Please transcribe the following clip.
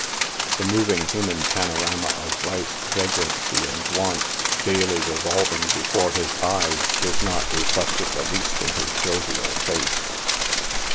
The moving human panorama of vice, vagrancy and want daily revolving before his eyes, is not reflected the least in his jovial face.